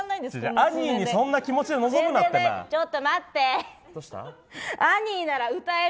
「アニー」をそんな気持ちで臨むなって。